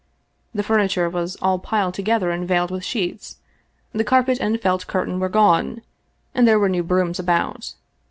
The furniture was all piled together and veiled with sheets, the carpet and felt curtain were gone, there were new brooms about.